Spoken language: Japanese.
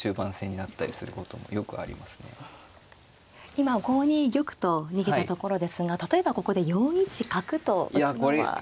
今５二玉と逃げたところですが例えばここで４一角と打つのはどうですか。